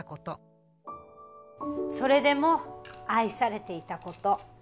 それでも愛されていた事。